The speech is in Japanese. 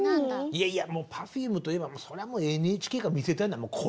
いやいやもうＰｅｒｆｕｍｅといえばそれはもうＮＨＫが見せたいのはこれなんです。